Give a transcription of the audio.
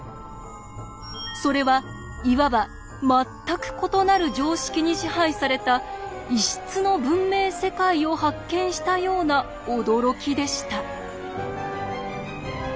それはいわば全く異なる常識に支配された異質の文明世界を発見したような驚きでした。